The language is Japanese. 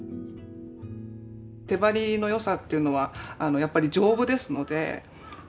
手貼りの良さっていうのはやっぱり丈夫ですので。